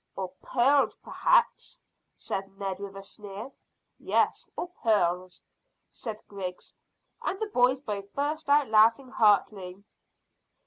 "Or pearls perhaps," said Ned, with a sneer. "Yes, or pearls," said Griggs, and the boys both burst out laughing heartily.